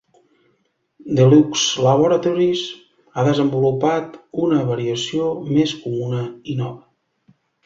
Deluxe Laboratories ha desenvolupat una variació més comuna i nova.